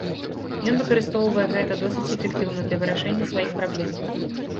Ён выкарыстоўвае гэта досыць эфектыўна для вырашэння сваіх праблем.